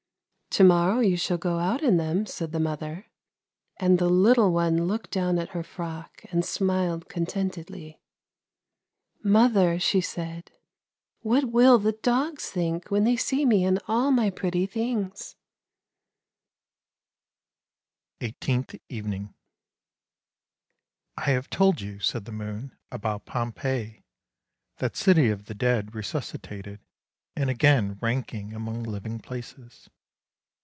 ' To morrow you shall go out in them,' said the mother; and the little one looked down at her frock and smiled contentedly. ' Mother! ' she said, ' what will the dogs think when they see me in all my pretty things! ' 248 ANDERSEN'S FAIRY TALES EIGHTEENTH EVENING " I have told you/' said the moon, " about Pompeii, that city of the dead resuscitated, and again ranking among living places.